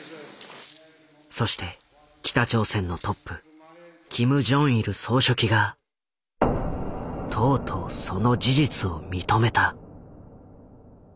そして北朝鮮のトップキム・ジョンイル総書記がとうとうその事実を認めた。